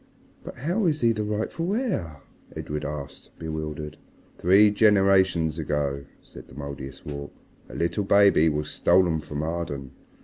"But how is he the rightful heir?" Edred asked, bewildered. "Three generations ago," said the Mouldiestwarp, "a little baby was stolen from Arden.